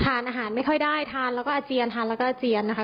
ทานอาหารไม่ค่อยได้ทานแล้วก็อาเจียนทานแล้วก็อาเจียนนะคะ